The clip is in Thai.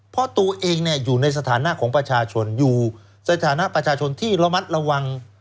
เพราะตัวเองอยู่ในสถานะของประชาชนอยู่สถานะประชาชนที่ระมัดระวัง